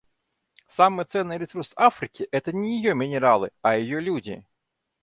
Самый ценный ресурс Африки — это не ее минералы, а ее люди.